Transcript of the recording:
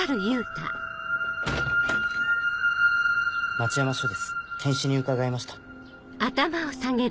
町山署です検視に伺いました。